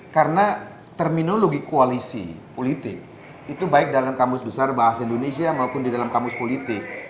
karena terminologi koalisi politik itu baik dalam kamus besar bahasa indonesia maupun di dalam kamus politik